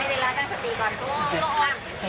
เราก็เจอจุภัณฑ์พ่อสังคม